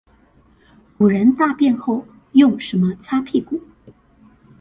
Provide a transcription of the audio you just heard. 古人大便後用什麼擦屁股？